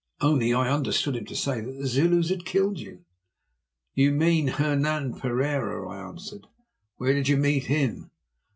Only I understood him to say that the Zulus had killed you." "If you mean Hernan Pereira," I answered, "where did you meet him?"